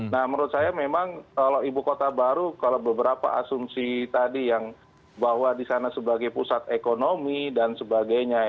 nah menurut saya memang kalau ibu kota baru kalau beberapa asumsi tadi yang bahwa di sana sebagai pusat ekonomi dan sebagainya